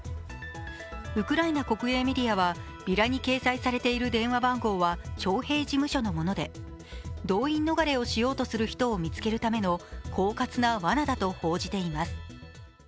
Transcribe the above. ウクライナ国営メディアはビラに掲載されている番号は徴兵事務所のもので、動員逃れをしようとする人を見つけるためのこうかつなわなだと報じています。